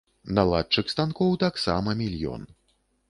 Наладчык станкоў таксама мільён.